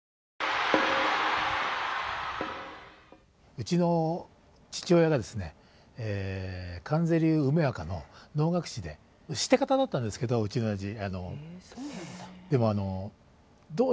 うちの父親がですね観世流梅若の能楽師でシテ方だったんですけどうちの親父。